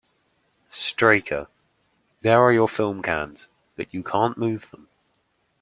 Straeker: There are your film cans, but you can't move them.